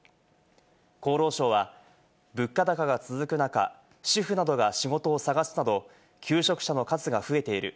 厚労省は、物価高が続く中、主婦などが仕事を探すなど、求職者の数が増えている。